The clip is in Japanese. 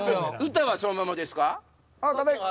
歌はそのままですか？